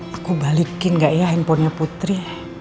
aku balikin gak ya handphonenya putri